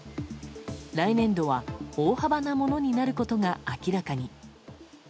来年度は大幅なものになることが明らかに。